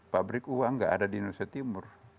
pabrik uang nggak ada di indonesia timur